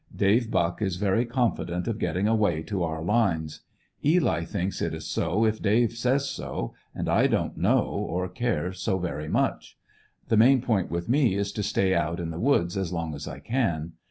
David Buck is very confident of getting away to our lines. Eli thinks it is so if Dave says so, and I don't know, or care so very much. The main point with me is to stay out in the woods as long as I can.